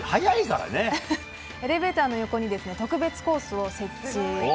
エレベーターの横に特別コースを設置。